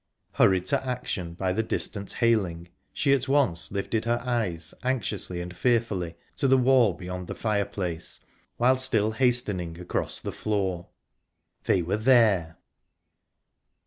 Hurried to action by the distant hailing, she at once lifted her eyes, anxiously and fearfully, to the wall beyond the fireplace, while still hastening across the floor..._There they were!...